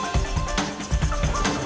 itu merupakan penipuan